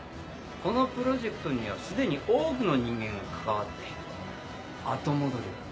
このプロジェクトには既に多くの人間が関わっている。